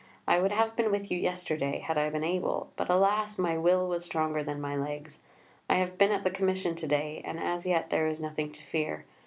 I would have been with you yesterday, had I been able, but alas! my will was stronger than my legs. I have been at the Commission to day, and as yet there is nothing to fear.